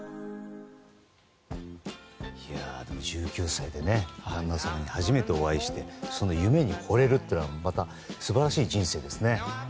１９歳で旦那さんに初めてお会いしてその夢に惚れるというのは素晴らしい人生ですね。